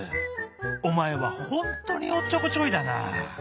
おまえはほんとにおっちょこちょいだなあ」。